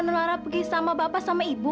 nular pergi sama bapak sama ibu